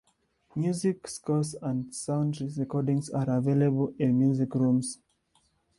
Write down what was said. Music scores and sound recordings are available in the music rooms.